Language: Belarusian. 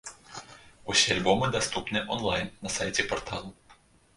Усе альбомы даступныя он-лайн на сайце парталу.